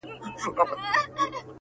ته له هره دِلستانه دِلستانه ښایسته یې،